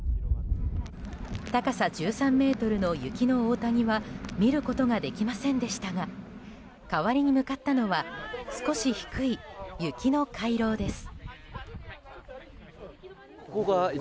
高さ１３ｍの雪の大谷は見ることができませんでしたが代わりに向かったのは少し低い雪の回廊です。